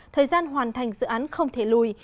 thời gian hoàn thành dự án không thể lùi